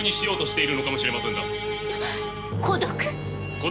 孤独？